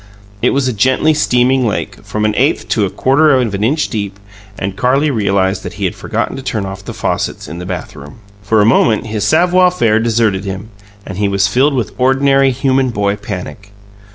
It was a gently steaming lake, from an eighth to a quarter of an inch deep. And Carlie realized that he had forgotten to turn off the faucets in the bathroom. For a moment, his savoir faire deserted him, and he was filled with ordinary, human boy panic.